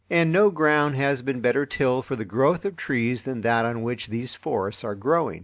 And no ground has been better tilled for the growth of trees than that on which these forests are growing.